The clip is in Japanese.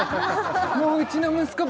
もううちの息子